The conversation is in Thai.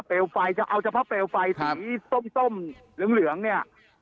เปลวไฟเอาเฉพาะเปลวไฟครับสีส้มส้มเหลืองเหลืองเนี้ยครับ